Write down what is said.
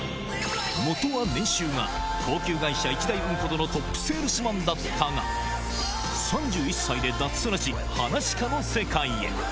もとは年収が高級外車１台分ほどのトップセールスマンだったが、３１歳で脱サラし、噺家の世界へ。